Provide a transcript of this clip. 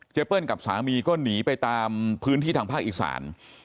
เปิ้ลกับสามีก็หนีไปตามพื้นที่ทางภาคอีสาน